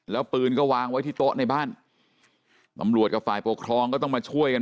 แล้วปืนก็วางไว้ที่โต๊ะในบ้านตำรวจกับฝ่ายปกครองก็ต้องมาช่วยกัน